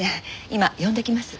今呼んできます。